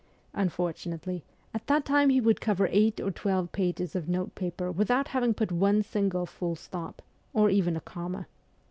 Unfortunately, at that time he would cover eight or twelve pages of notepaper without having put one single full stop, or even a comma.